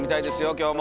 今日も！